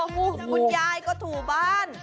คุณยายก็ถูบ้าน